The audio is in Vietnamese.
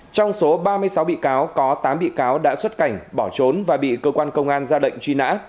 trong số ba mươi sáu bị cáo có tám bị cáo đã xuất cảnh bỏ trốn và bị cơ quan công an ra lệnh truy nã